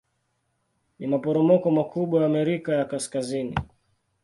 Ni maporomoko makubwa ya Amerika ya Kaskazini.